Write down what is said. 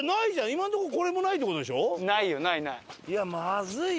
今のとここれもないって事でしょ？ないよ。